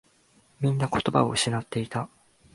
みんな言葉を失っていた。